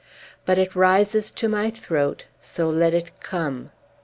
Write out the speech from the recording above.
But it rises to my throat; so let it come.